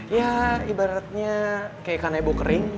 ya ibaratnya kayak kanebo kering